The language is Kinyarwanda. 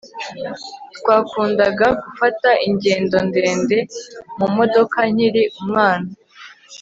Twakundaga gufata ingendo ndende mumodoka nkiri umwana